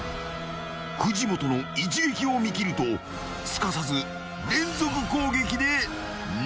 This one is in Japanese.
［藤本の一撃を見切るとすかさず連続攻撃でノックアウト］